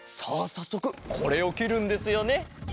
さっそくこれをきるんですよね。